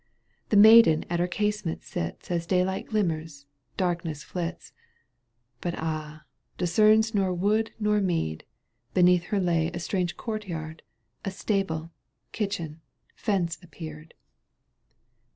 The maiden at her casement sits As daylight glimmers, darkness flits, But ah ! discerns nor wood nor mead Beneath her lay a strange courty A stable, kitchen, fence appeared.